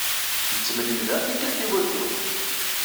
Nettemlili da tikkelt i wayyur.